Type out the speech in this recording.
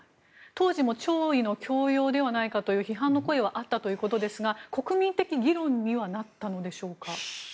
当時も弔意の強要ではないかという批判の声はあったということですが国民的議論にはなったのでしょうか？